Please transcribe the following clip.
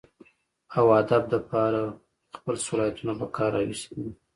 اوادب دپاره خپل صلاحيتونه پکار راوستي دي